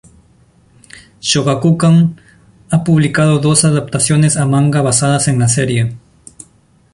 Shogakukan ha publicado dos adaptaciones a manga basadas en la serie.